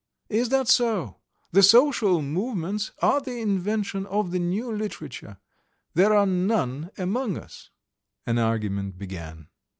"Is that so? The social movements are the invention of the new literature. There are none among us." An argument began.